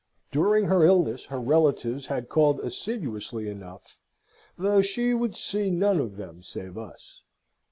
During her illness her relatives had called assiduously enough, though she would see none of them save us.